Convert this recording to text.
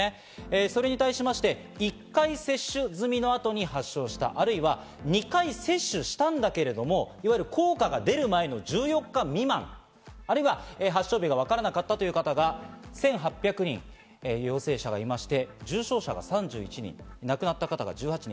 それに対しまして１回接種済みの後に発症した、あるいは２回接種したんだけれども効果が出る前の１４日未満、あるいは発症日がわからなかったという方が１８００人、陽性者がいて重症者が３１人、亡くなった方が１８人。